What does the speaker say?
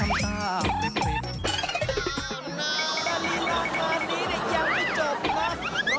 ในฬีลางานนี้ยังไม่เจอกันนะ